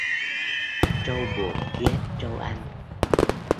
Trâu buộc ghét trâu ăn.